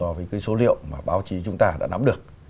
so với cái số liệu mà báo chí chúng ta đã nắm được